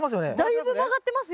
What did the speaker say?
だいぶ曲がってますよ。